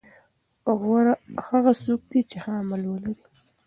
غوره هغه څوک دی چې ښه عمل ولري.